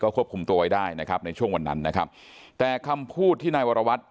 ควบคุมตัวไว้ได้นะครับในช่วงวันนั้นนะครับแต่คำพูดที่นายวรวัตร